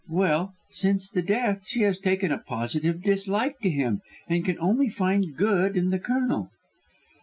Well, since the death she has taken a positive dislike to him and can only find good in the Colonel."